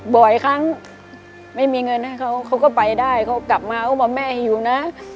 บ่อยครั้งไม่มีเงินให้เขาเขาก็ไปได้เขากลับมาเขาบอกแม่ให้อยู่นะ